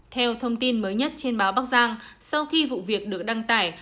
theo thông tin mới nhất trên báo bắc giang sau khi vụ việc được đăng tải